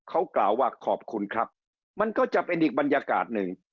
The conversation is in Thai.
เขากล่าวว่าขอบคุณครับมันก็จะเป็นอีกบรรยากาศหนึ่ง